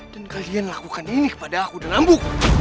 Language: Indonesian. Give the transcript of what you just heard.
dan kalian lakukan ini kepada aku dan ambo